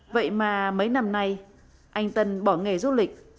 vậy mà mấy năm nay anh tân bỏ nghề du lịch